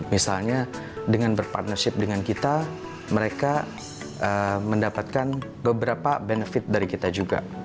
misalnya dengan berpartnership dengan kita mereka mendapatkan beberapa benefit dari kita juga